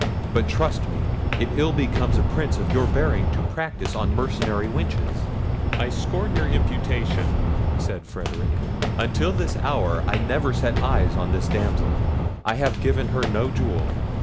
But trust me, it ill becomes a Prince of your bearing to practise on mercenary wenches." "I scorn your imputation," said Frederic. "Until this hour I never set eyes on this damsel: I have given her no jewel.